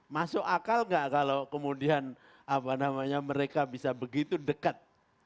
masuk akal gak kalau kemudian apa namanya mereka bisa begitu dekat